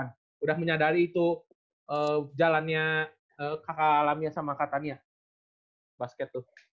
kayaknya dari itu jalannya kak alamnya sama kak tania basket tuh